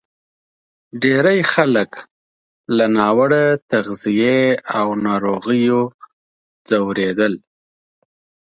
ډېری خلک له ناوړه تغذیې او ناروغیو ځورېدل.